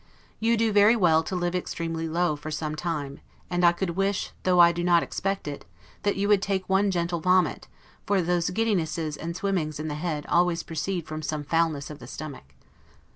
You do very well to live extremely low, for some time; and I could wish, though I do not expect it, that you would take one gentle vomit; for those giddinesses and swimmings in the head always proceed from some foulness of the stomach.